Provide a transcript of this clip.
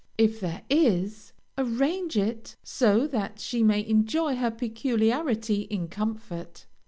If there is, arrange it so that she may enjoy her peculiarity in comfort.